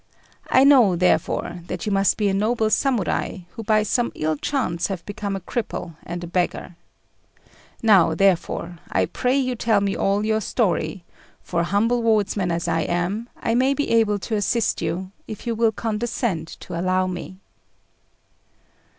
I know, therefore, that you must be a noble Samurai, who by some ill chance have become a cripple and a beggar. Now, therefore, I pray you tell me all your story; for, humble wardsman as I am, I may be able to assist you, if you will condescend to allow me."